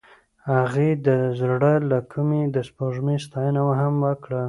هغې د زړه له کومې د سپوږمۍ ستاینه هم وکړه.